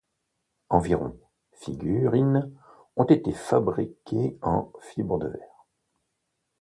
Environ figurines ont été fabriquées en fibre de verre.